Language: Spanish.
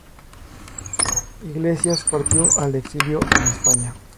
Iglesias partió al exilió en España.